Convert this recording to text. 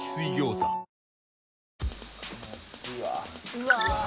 うわ！